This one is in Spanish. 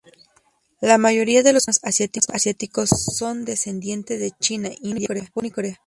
La mayoría de los colombianos asiáticos son descendientes de China, India, Japón y Corea.